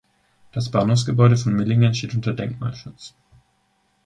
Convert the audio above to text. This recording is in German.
Das Bahnhofsgebäude von Millingen steht unter Denkmalschutz.